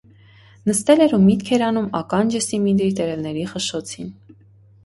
Նստել էր ու միտք էր անում՝ ականջը սիմինդրի տերևների խշշոցին: